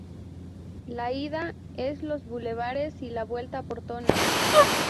La ida es Los Bulevares y la vuelta Portones.